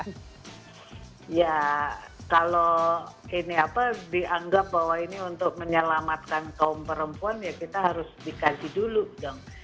ya kalau ini apa dianggap bahwa ini untuk menyelamatkan kaum perempuan ya kita harus dikaji dulu dong